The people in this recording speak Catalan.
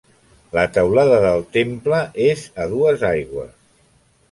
La teulada del temple és a dues aigües.